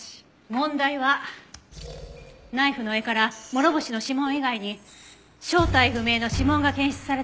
問題はナイフの柄から諸星の指紋以外に正体不明の指紋が検出された事。